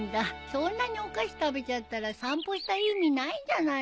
そんなにお菓子食べちゃったら散歩した意味ないんじゃないの？